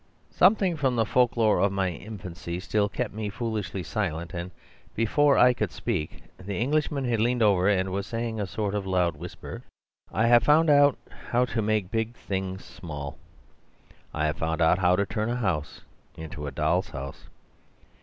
"Something from the folk lore of my infancy still kept me foolishly silent; and before I could speak, the Englishman had leaned over and was saying in a sort of loud whisper, 'I have found out how to make a big thing small. I have found out how to turn a house into a doll's house.